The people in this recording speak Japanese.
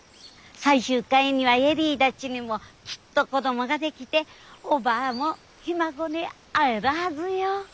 最終回には恵里たちにもきっと子どもができておばぁもひ孫に会えるはずよ。